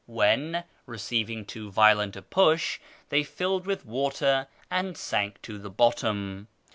"), when, receiv ing too violent a push, they filled with water and sank to the bottom.